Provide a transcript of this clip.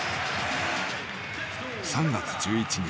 ３月１１日。